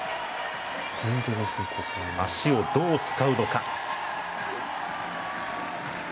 足をどう使うのか。